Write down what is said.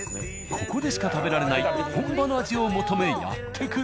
ここでしか食べられない本場の味を求めやって来る。